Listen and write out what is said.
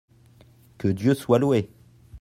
Que Dieu soit loué !